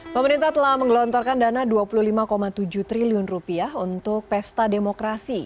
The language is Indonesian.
pemerintah telah menggelontorkan dana rp dua puluh lima tujuh triliun untuk pesta demokrasi